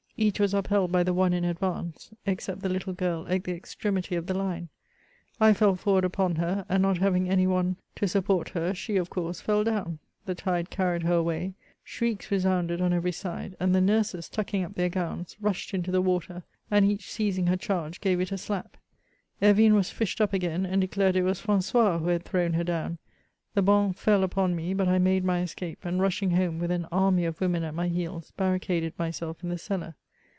Each was upheld by the one in advance, except the little girl at the extremity of the line. I fell forward upon her ; and not having any one to support CHATEAUBRIAND. 75 her, she, of course, fell down : the tide carried her away ; shrieks resounded on every side ; and the nurses, tucking up their gowns, rushed into the water, and each seizing her charge, gave it a skp. Hervine was fished up again, and dedared it was Francois who had thrown her down. The bonnes fell upon me, but I made my escape; and, rushing home, with an aiiny of women at my heels, barricaded myself in the cellar.